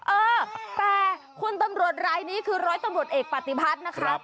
เออแต่คุณตำรวจรายนี้คือร้อยตำรวจเอกปฏิพัฒน์นะคะ